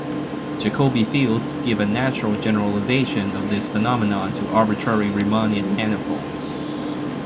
Jacobi fields give a natural generalization of this phenomenon to arbitrary Riemannian manifolds.